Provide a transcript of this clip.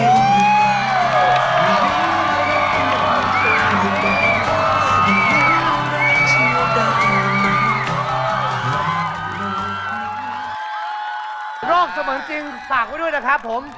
เสมือนจริงฝากไว้ด้วยนะครับผม